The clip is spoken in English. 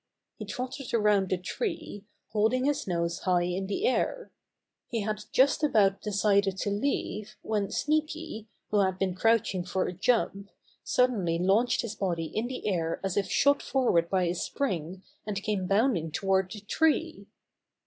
He trotted around the tree, holding his nose high in the air. He had just about decided to leave when Sneaky, who had been crouching for a jump, suddenly launched his body in the air as if shot forward by a spring, and came bounding toward the tree.